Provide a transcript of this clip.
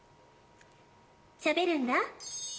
しゃべるんだ。